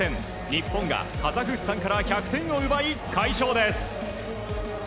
日本がカザフスタンから１００点を奪い快勝です。